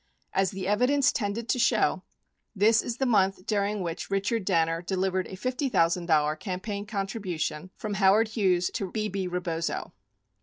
As the evidence tended to show, this is the month during which Richard Danner delivered a $50,000 campaign contribution from Howard Hughes to Bebe Rebozo.